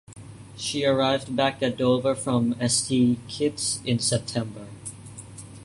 She arrived back at Dover from St Kitts in September.